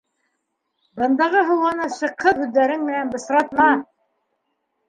Бындағы һауаны шыҡһыҙ һүҙҙәрең менән бысратма!